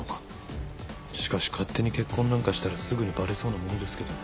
しかし勝手に結婚なんかしたらすぐにバレそうなものですけどね。